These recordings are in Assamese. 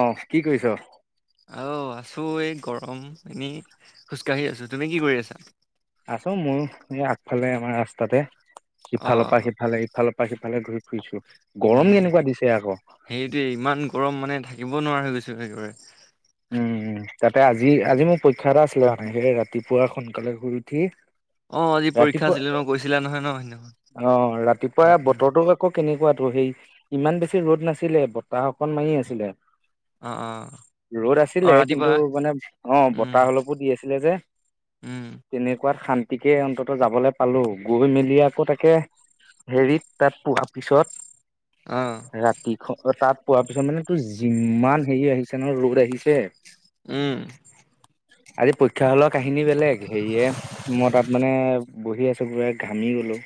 অ কি কৰিছ? অ আছোঁ এই গৰম এনেই খোজকাঢ়ি আছোঁ। তুমি কি কৰি আছা? আছোঁ মোৰ এই আগফালে আমাৰ ৰাস্তাতে অ ইফালৰ পৰা সিফালে ইফালৰ পৰা সিফ- ফালে ঘূৰি ফুৰিছোঁ। উম সেইটোৱে ইমান গৰম মানে থাকিব নোৱাৰা হৈ গৈছোঁ একেবাৰে। উম তাতে আজি আজি মোৰ পৰীক্ষা এটা আছিলে মানে সেইয়েহে ৰাতিপুৱা সোনকালে শুই উঠি অ আজি পৰীক্ষা ৰাতিপুৱা আছিলে ন কৈছিলা নহয় ন সেইদিনাখন অ ৰাতিপুৱা উম উম বতৰটো আকৌ কেনেকুৱা। তো সেই ইমান বেছি ৰ'দ নাছিলে বতাহ অকন মাৰি আছিলে। অ অ। ৰ'দ অ আছিলে কিন্তু ৰাতিপুৱা মানে অ উম বতাহ অলপো দি আছিলে যে। উম তেনেকুৱাত শান্তিকে অন্তত যাবলে পালোঁ গৈ মেলি আকৌ তাকে হেৰিত তাত পোৱাৰ পিছত। অ ৰাতিখন তাত পোৱাৰ পিছত মানে তোৰ যিমান হেৰি আহিছে নহয় ৰ'দ। আহিছে। উম। আজি পৰীক্ষা হলৰ কাহিনী বেলেগ হেৰিয়ে মই তাত মানে বহি আছো পুৰা ঘামি গলো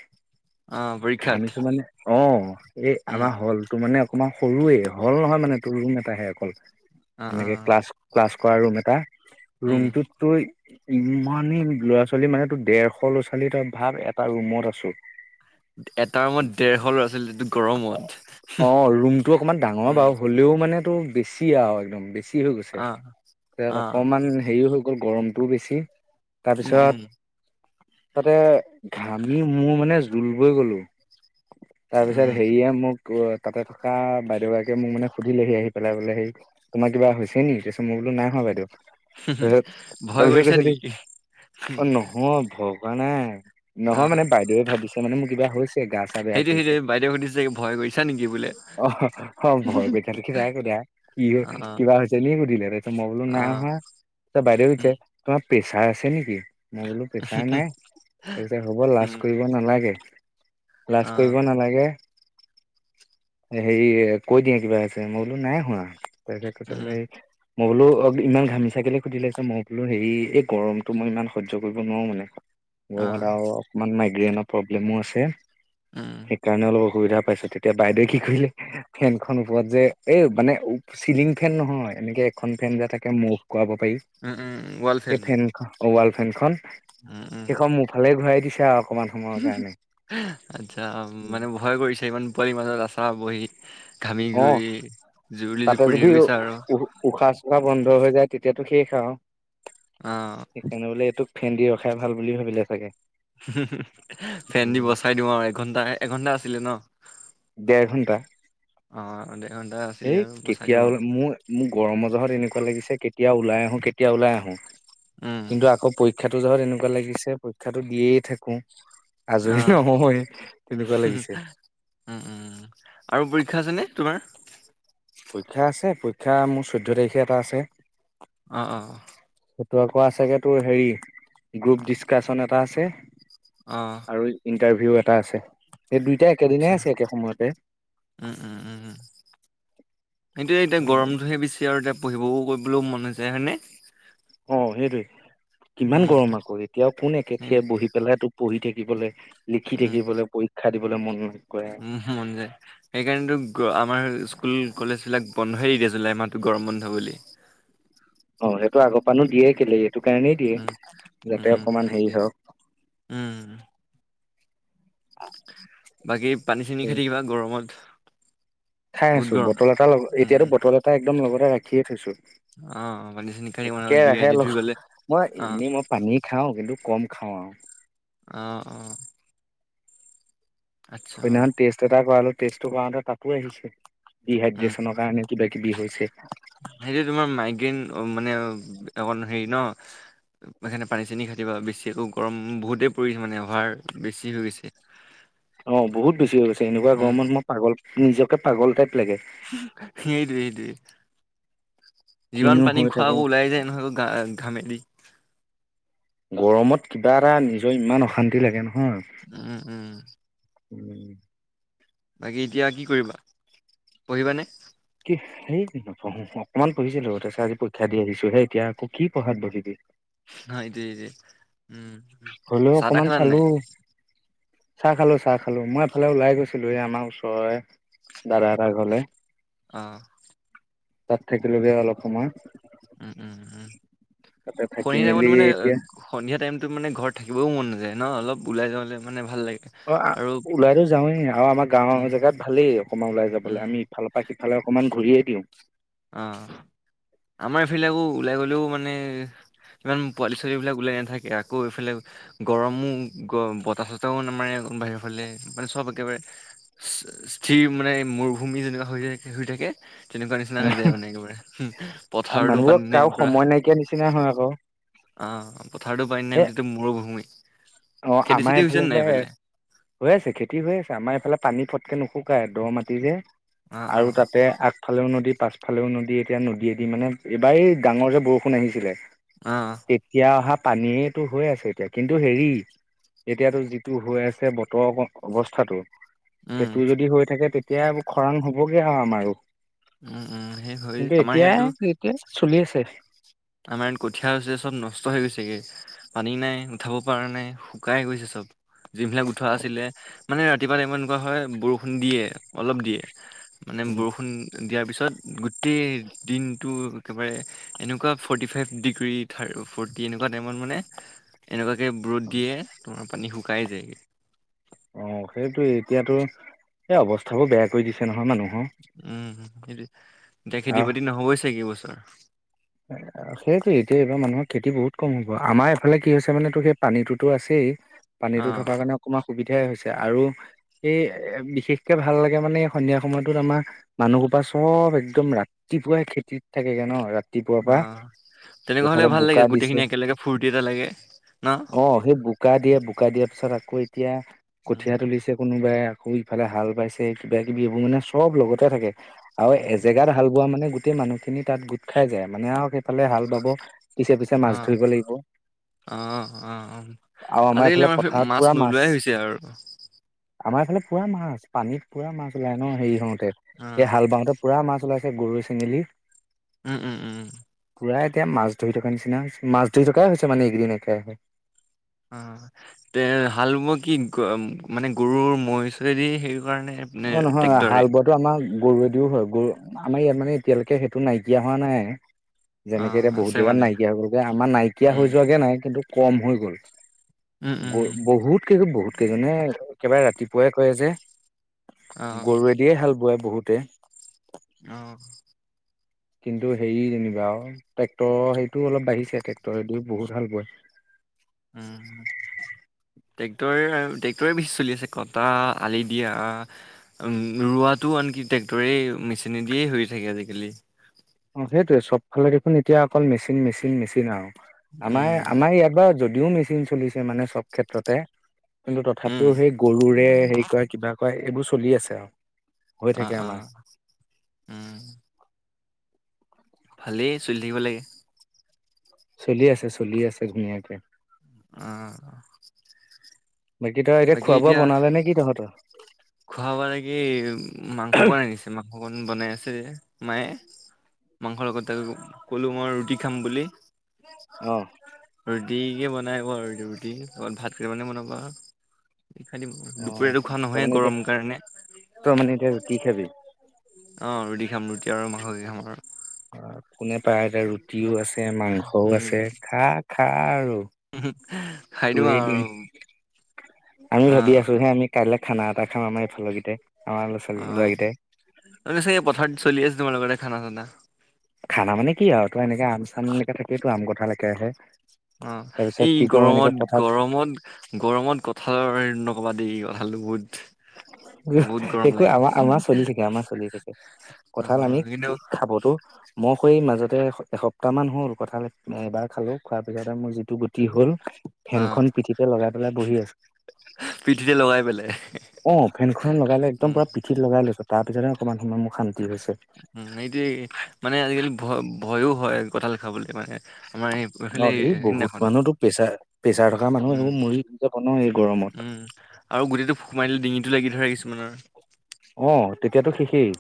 অ পৰীক্ষাত ঘামিছো মানে অ এই উম আমাৰ হলটো মানে অকণমান সৰুৱে হল নহয় মানে তোৰ ৰুম এটাহে অকল অ অ এনেকে ক্লাছ ক্লাছ কৰা ৰুম এটা উম ৰুমটোত তুই ইমানেই ল'ৰা -ছোৱালী মানে তোৰ ডেৰশ ল'ৰা- ছোৱালী তই ভাৱ এটা ৰুমত আছোঁ। এটা ৰুমত ডেৰশ ল'ৰা ছোৱালী যিটো গৰমত অ ৰুমটো অকমান ডাঙৰ উম বাও হ'লেও মানে- টো বেছি আৰু একদম বেছি হৈ গৈছে অ তাত অ অকমান হেৰি হৈ গ'ল। গৰমটোও বেছি। উম তাৰপিছত উম। তাতে ঘামি মোৰ মানে জোল বই গলোঁ। তাৰপিছত উম হেৰিয়ে মোক তাকে তাতে থকা বাইদেউ গৰাকীয়ে মোক মানে সুধিলেহি আহি পেলাই বোলে সেয়ি তোমাক- কিবা হৈছে নি তাৰ পিছত মই বোলোঁ নাই হোৱা বাইদেউ। তাপিছত ভয় তাৰপিছত কৰিছা কৈছে কি নেকি অ নহয় ভ কোৱা নাই অ নহয় মানে বাইদেউৱে ভাবিছে মানে মোৰ কিবা হৈছে। গা চা বেয়া সেইটো সেইটো কৰিছে বাইদেউ সুধিছে ভয় কৰিছা নেকি বোলে অ অ ভয় কৰিছা নেকি নাই সোধা। কি হয়। কিবা হৈছে নি সুধিলে তাপিছত মই বোলোঁ নাই হোৱা তাপা বাইদেউ সোধিছে তোমাৰ প্ৰেছাৰ আছে নেকি? মই বোলোঁ পেছাৰ নাই তাৰপিছত হ'ব লাজ কৰিব নালাগে লাজ কৰিব নালাগে। হেৰি কৈ দিয়া কিবা আছে মই বোলোঁ নাই শোৱা। তাপিছত সেই। মই বোলো অ ইমান ঘামিচা কিয় সুধিলে মই বোলো হেৰি এই গৰমটো মই ইমান সহ্য কৰিব নোৱাৰো মানে আৰু অকমান মাইগ্ৰেইনৰ প্ৰব্লেমো আছে উম সেইকাৰণে অলপ। অসুবিধা পাইছো তেতিয়া বাইদেৱে কি কৰিলে ফেন খনৰ ওপৰত যে এই মানে চিলিং ফেন নহয় এনেকে এখন ফেন যে তাকে মুভ কৰাব পাৰি উম উম ৱাল সেই ফেন ফেনখন ফেন খন উম উম সেইখন মোৰফালে ঘূৰাই দিছে আৰু অকমান সময়ৰ কাৰণে আচ্ছা মানে ভয় কৰিছে ইমান পোৱালিৰ মাজত আছা বহি ঘামি অ গৈ জুৰুলি তাতে জুপুৰি হৈ যদি গৈছা আৰু উ উশাহ চোশাহ বন্ধ হৈ যায় তেতিয়াতো শেষ আৰু অ সেইকাৰণে বোলে এইটোক ফেন দি ৰখাই ভাল বুলি ভাবিলে চাগে ফেন দি বচাই দিওঁ আৰু এঘন্টা এঘন্টা আছিলে ন ডেৰ ঘণ্টা অ এঘন্টা আছিলে এই আৰু বচাই দিওঁ কেতিয়াও আৰু মোৰ মোৰ গৰমৰ জহত এনেকুৱা লাগিছে কেতিয়া কেতিয়া ওলাই আহো কেতিয়া ওলাই আহো উম কিন্তু আকৌ পৰি পৰীক্ষাটো যোৱাত এনেকুৱা লাগিছে পৰীক্ষাটো দিয়ে থাকো। অ আজৰি নহয় তেনেকুৱা লাগিছে। উম উম আৰু পৰীক্ষা আছে নে তোমাৰ। পৰীক্ষা আছে পৰীক্ষা মোৰ চৈধ্য তাৰিখে এটা আছে। অ, অ। সেইটো আকৌ আছেগে তোৰ হেৰি গ্ৰুপ ডিচকাচন এটা আছে। অ আৰু ইণ্টাৰভিউ এটা আছে। সেই দুইটাই আচ্ছা একেদিনাই আছে একে সময়তে উম উম উম সেইটোয়ে এতিয়া গৰমটোহে বেছি আৰু এতিয়া পঢ়িবও কৰিবলৈও মন নেযায় হয়নে অ সেইটোৱে কিমান উম গৰম আকৌ এতিয়াও কোন একেঠিয়ে সেইটোৱে বহি পেলাই তোক পঢ়ি থাকি দিবলৈ লিখি উম থাকিবলৈ পৰীক্ষা দিবলৈ মন উম মন যায় সেইকাৰণেতো আমাৰ স্কুল কলেজ বিলাক বন্ধয়েই দি দিয়ে জুলাই মাহটো গৰম বন্ধ বুলি অ সেইটো আগৰপানো দিয়ে কেলে সেইটো কাৰণেই উম দিয়ে যাতে উম অকমান হেৰি সেইটোৱে হওঁক উম বাকী পানী চানি খাই থাকিবা গৰমত খাই বহুত আছো গৰম বটল এটা লগ উম এতিয়াতো উম, বটল এটা একদম লগতে ৰাখিয়ে থৈছো অ পানী চানী খাই থাকিব আৰু একেৰাহে ডিহাইড্ৰেট হৈ গ'লে মই অ এনেই মই পানী খাওঁ কিন্তু কম খাওঁ আও অঁ, অঁ। সেইদিনাখন টেষ্ট এটা কৰালো টেষ্টটো কৰাওঁতে তাতো আহিছে উম ডিহাইড্ৰে্চনৰ কাৰণে কিবা কিবি হৈছে সেইটো তোমাৰ মাইগ্ৰেইন মানে অ হেৰি ন সেইকাৰণে পানী চানী খাই থাকিবা বেছি আকৌ গৰম বহুতেই পৰিছে মানে অভাৰ বেছি হৈ গৈছে অ বহুত বেছি হৈ গৈছে এনেকুৱা উম গৰমত মই পাগল নিজকে পাগল টাইপ লাগে সেইতোৱে, সেইতোৱে। কিনো যিমান পানী হৈ খোৱা থাকো আকৌ ওলাই যায় নহয় ঘা ঘামেদি। গৰমত কিবা এটা নিজৰ ইমান অশান্তি লাগে। নহয় উম, উম। উম। বাকী এতিয়া কি কৰিবা পঢ়িবানে? কি হেইত নপঢ়ো অকনমান পঢ়িছিলো তাৰ পিছত আজি পৰীক্ষা দি আহিছোঁ। এতিয়া আকৌ কি পঢ়াত বহিবি। এ হয় দেই উম। হলেও চাহ তাহ অকমান খালা চালো। নাই চাহ খালো চাহ খালো মই এফালে ওলাই গৈছিলো আমাৰ ওচৰে। দাদা এটা ঘলে। আহ তাত থাকিলোগে অলপ সময়। উম উম উম তাতে থাকি সন্ধিয়া টাইমত মেলি মানে এতিয়া সন্ধিয়া টাইম। মান ঘ থাকিবও মন নাযায় ন অলপ ওলাই যালে মানে। ভাল লাগে অ আৰু ওলাইতো যাওঁৱেই আৰু আমাৰ গাঁওৰ উম জেগাত ভালেই অকমান ওলাই যাবলৈ উম আমি ইফালৰ পৰা সিফালে অকমান। ঘূৰিয়ে দিওঁ। অ আমাৰ এইফালে ওলাই গলেও মানে ইমান পোৱালি ছোৱালি বিলাক ওলাই নাথাকে আকৌ এইফালে গৰমো গ বতাহ চতাহও নামৰে। বাহিৰ ফালে মানে চব একেবাৰে স্থিৰ মানে মৰুভূমি যেনেকুৱা হৈ শ থাকে তেনেকুৱা। নিচনা হৈ যায় মানে একেবাৰে পথাৰতো পানী মানুহবোৰক কাৰো নাই পৰা। সময় নাইকিয়া নিচিনা হয় আকৌ অ পথাৰটো পাই নাই এ মানে গোটেই মৰুভূমি অ খেতি আমাৰ চেতি হৈছে এইফালে নে নাই ব হৈ আছে খেতি হৈ আছে আমাৰ এইফালে পানী ফটকে নুহু নুশুকাই দ মাটি যে অ অ আৰু তাতে আগফালেও নদীত। পাছফালেও নদী এতিয়া নদীয়েদি মানে এইবাৰেই ডাঙৰ যে বৰষুণ আহিছিলে। অ তেতিয়া অহা পানীয়েটো হৈ আছে এতিয়া। কিন্তু হেৰি এতিয়াতো যিটো হৈ আছে বতৰ অৱস্থাতটো। উম সেইটো যদি হৈ থাকে তেতিয়া খৰাং হবগে আৰু আমাৰো উম উম সেই হয় কিন্তু আমাৰ এতিয়া ইয়াতো এইয়া চলি আছে। আমাৰ ইয়াত কঠীয়া হৈছে সব নষ্ট হৈ গৈছেগে পানী নাই উঠাব পৰা নাই শুকাই গৈছে সব। যিবিলাক উঠোৱা আছিলে মানে ৰাতিপুৱা টাইমমানত এনেকুৱা হয় বৰষুণ দিয়ে অলপ দিয়ে মানে বৰষুণ দিয়াৰ পিছত গোটেই দিনটো একেবাৰে এনেকুৱা। ফৰ্টি ফাইভ ডিগ্ৰী থ ফৰ্টি এনেকুৱা টাইমত মানে এনেকুৱা তাকে ৰদ দিয়ে তোমাৰ পানী শুকাই যায়গৈ। অঁ সেইটো এতিয়াতো সেই অৱস্থাবোৰ বেয়া কৰি দিছে নহয় মানুহ। উম সেইটো এতিয়া খেতি বাতি নহবই ছাগে এই বছৰ সেইটো এতিয়া এইবাৰ মানুহৰ খেতি বহুত কম হব আমাৰ এইফালে কি হৈছে মানে তো সেই পানীতো আছেই। অ পানীটো থকাৰ কাৰণে অকণমান সুবিধা। উঠিয়াই হৈছে আৰু এই বিশেষকে ভাল লাগে মানে সন্ধিয়া সময়তত আমাৰ মানুহোপা চব একদম ৰাতিপুৱাই খেতিত থাকেগে ন ৰা অ তেনেকুৱা হলে ভাল লাগে বোকা দিছে গোটেইখিনি একেলগে ফূৰ্তি এটা লাগে ন অ সেই বোকা দিয়ে বোকা দিয়াৰ পিছত আকৌ এতিয়া উম কঠিয়া তুলিছে কোনো। আকৌ ইফালে হাল বাইছে কিবা কিবি এইবোৰ মানে চব লগতে থাকে। আৰু উম উম এজেগাত হাল বোৱা মানে গোটেই মানুহখিনি তাত গোট খাই যায় মানে আৰু ফালে হাল বাব পিছে পিছে মাছ ধৰিব লাগিব। আহ অ আৰু আমাৰ আজিকালি এইফালে আমাৰফালে পথাৰত মাছ পুৰা নোলোৱাই হৈছে আৰু আমাৰ এইফালে পুৰা মাছ পানীত পুৰা মাছ ওলাই ন হেৰি হওঁতে অ সে হাল বাওঁতে পুৰা মাছ ওলাই গৰৈ, চেঙেলী। উম উম উম উম। পূৰা এতিয়া মাছ ধৰি থকাৰ নিচিনা হৈছে মাছ ধৰি থকাই হৈছে মানে এইকেদিন একেৰাহে। অ তে হাল বোৱা কি মানে গৰুৰ মৈ চৈ দি সেই অ নহয় হাল বোৱাটো আমাৰ গৰুৱেদিও হয় গৰু আমাৰ ইয়াত মানে এতিয়ালৈকে সেইটো নাইকিয়া হোৱা নাই। যেনেকে এতিয়া অ', বহুত আছে জেগাত মানে নাইকিয়া হৈ গলগৈ আমাৰ নাইকিয়া হৈ উম, যোৱাকে নাই কিন্তু কম হৈ গ'ল উম, উম, বহুত কে বহুত একেবাৰে ৰাতিপুৱাই কয়ে যে অ', গৰুৱে দিয়ে হাল বোৱা বহুতে অহ কিন্তু হেৰি যেনিবা আৰু ট্ৰেক্টৰৰ সেইটোও অলপ বাঢ়িছে ট্ৰেক্টৰ দিও বহুত হাল বায়। উম ট্ৰেক্টৰে ট্ৰেক্টৰে বেছি চলি আছে কটা আলি, দিয়া ৰোৱাত টো আনকি ট্ৰেক্টৰে মেচিনে দিয়ে হৈ থাকে আজিকালি অঁ সেইটোৱে চব ফালে দেখোন এতিয়া অকল মেচিন, মেচিন, মেচিন আৰু আমাৰ উম, আমাৰ ইয়াত বাৰু যদিও মেচিন চলিছে মানে চব ক্ষেত্ৰতে কিন্তু উম, তথাপিও সেই গৰুৰে হেৰি কয় কিবা কয় এইবোৰ চলি আছে আৰু হৈ থাকে আমাৰ। উম, উম, উম ভালেই চলি থাকিব লাগে। চলি আছে চলি আছে ধুনীয়াকে উম। বাকী তই এতিয়া খোৱা বোৱা বনালে নে কি তহঁতৰ খোৱা বোৱা টো কি মাংস বনাই আনিছে মাংস বনাই আছে। মায়ে মাংসৰ লগত কলো মই ৰুটি খাম বুলি। অ' [unintelligible] ৰুটিকে বনাই আৰু ৰু ৰুটি ভাত কেইটামানে বনাব আৰু খাই দিম দুপৰীয়াটো খোৱা নহয় গৰম কাৰণে ত মানে এতিয়া কি খাব। অঁ ৰুটি খাম ৰুটি আৰু মাংস দি খাম আৰু। কোনে পায় এতিয়া ৰুটিওঁ আছে মাংসও আছে উম খা খা আৰু খাই দিম তোৰে দিন আৰু আৰু আমি ভাবি আছো হে আমি কাই খানা এটা খাম আমাৰ এইফালৰকেইট আমাৰ ল'ৰা ছোৱালী লৰাৰাকেইটাই মে চাগে পথাৰত চলি আছে তোমালোকৰ খানা চান। খানা মানে কি আৰু তই এনেকে আম চামকে থাকিয় তো আম কোঠাল একে ৰাহে। অঁ এই গৰমত গৰমত, গৰমত কঁঠাল নকবা এই আলু বহুত-' বহুত গৰম একো লাগে আমাৰ আমাৰ চলি থাকে আমাৰ চলি থাকে। অ কঁঠাল আমি কিন্তু খাবতো মহৈ মাজত। তাতে এসপ্তাহমান হ'ল কঁঠাল এবাৰ খালোঁ খোৱাৰ পিছতে মোৰ যিটো গতি হ'ল। অ ফেনখন পিঠিতে লগাই পেলাই বহি আছো পিঠিতে লগাই পেলাই অহ ফেনখন লগাই লৈ একদম উম পোৰা পিঠিত লগাই লৈছো তাৰ পিছতে অকমান সময় শান্তি হৈছে উম এইটোৱে মানে আজিকালি ভয় ভয়ো হয় কঁঠাল খাবলৈ মানে আমাৰ এই- এইফালে অঁ এই বহুত সিদিনাখন মানুহতো প্ৰেচাৰ প্ৰেচাৰ থকা মানুহ উম, এইবোৰ মৰি ধৰি যাব ন এই গৰমত উম আৰু গোটেইটো ফুক মাৰ দিলে ডিঙিতটো লাগি ধৰে কিছুমানৰ অঁ তেতিয়াতো শেষেই।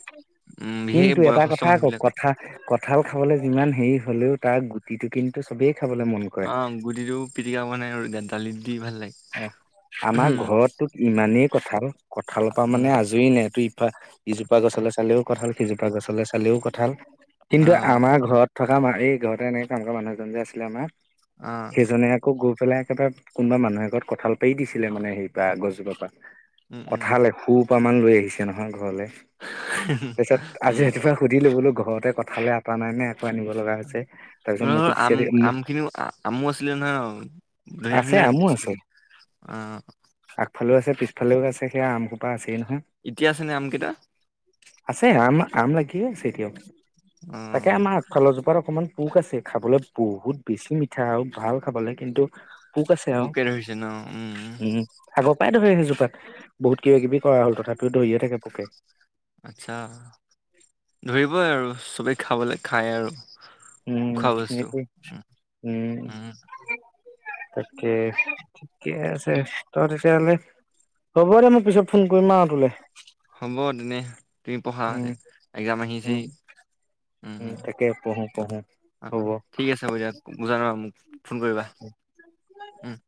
উম, বিশেষকে কিন্তু এটা বয়সস্থ কথা মানুহ আকৌ বিলাকৰ কঁঠাল কঁঠাল খাবলে যিমান হেৰি হলেওঁ তাৰ গুটিটো কিন্তু চবেই খাবলৈ মন অঁ গুটিটো পিটিকা মানে আৰু গান। অঁ আমাৰ ঘৰততোক ইমানেই কঁঠাল কঁঠালৰ পৰা উম, মানে আজৰি নাই তটো ইজোপা গছলে চালেও কঁঠাল সিজোপা গছলে চালেও কঁঠাল কিন্তু অ', আমাৰ ঘৰত। থকা এই ঘৰতে এনেকে কাম কৰা মানুহ এজন যে আছিলে আমাৰ অ', সেইজনে আকৌ গৈ পেলাই একেবাৰে কোনোবা মানুহ এঘৰত কঁঠাল পাৰ দিছিলে মানে সেই গছ জোপাৰ পৰা উম, উম, কঁঠালে সুব প মান লৈ আহিছে নহয় ঘৰলে তাৰপিছত আজি উম, ৰাতিপুৱা সুধিলো বোলো ঘৰত। তাতে কঁঠালৰ আকা নাই নে আকৌ আনিব লগা হৈছে। তাৰপিছত মোক সুধিছে আম দেই মোক আম খিনিও আমো আছিলে নহয় ধুন আছে আমো অঁ। ফালেও আছে পিছফালেও আছে সেয়া আমসোপা আছেই নহয় এতিয়া আছেনে আম কেইটা আছে আম। আম লাগিয়ে এতিয়াও তাকে অ', আমাৰ আগফালৰজোপা অকণমান পোক আছে খাবলৈ বহুত বেছি মিঠা আৰু ভাল খাবলে কিন্তু। পোক আছে আও পোকে ধৰিছে ন' উম আগৰ পৰাই ধৰি জোপাত বহুত কিবা কিবি কৰা হ'ল তথাপিও ধৰিয়ে থাকে পোকে। আচ্ছা ধৰিবই আৰু চবেই খাবলে খায় আৰু। উম খোৱা সেই বস্তু। উম, উম। [unintelligible] তাকে ঠিকে আছে তই তেতিয়া হলে হ'ব দে মই পিছত ফোন কৰিম আঁও তুলে। হ'ব তেনে তুমি পঢ়া হলে উম এক্সজাম উম আহিছেই। উম তাকে পঢ়ো। পঢ়ো অহ হ'ব। [unintelligible] ঠিক আছে বাৰ দিয়া বুজা ন আৰু মোক ফোন কৰিবা। উম